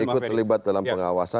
ikut terlibat dalam pengawasan